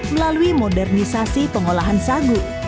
melalui modernisasi pengolahan sagu